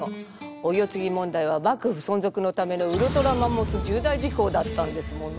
お世継ぎ問題は幕府存続のためのウルトラマンモス重大事項だったんですもの。